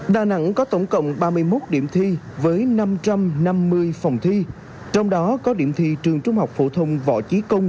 đà nẵng có tổng cộng ba mươi một điểm thi với năm trăm năm mươi phòng thi trong đó có điểm thi trường trung học phổ thông võ trí công